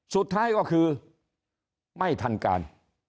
สุดท้ายก็คือไม่ทันการ